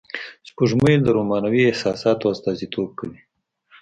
سپوږمۍ د رومانوی احساساتو استازیتوب کوي